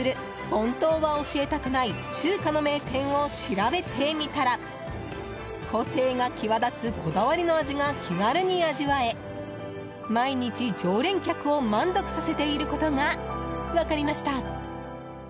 本当は教えたくない中華の名店を調べてみたら個性が際立つこだわりの味が気軽に味わえ毎日、常連客を満足させていることが分かりました。